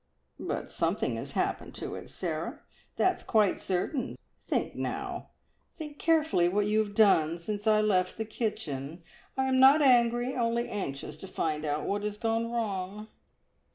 "But something has happened to it, Sarah that's quite certain. Think now think carefully what you have done since I left the kitchen. I am not angry, only anxious to find out what has gone wrong."